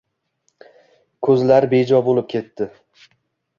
Ko‘zlari bejo bo‘lib ketdi